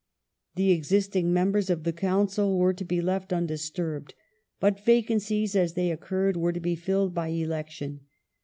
The existing members of the Council were to be left undisturbed, but vacancies as they occurred were to be filled by election.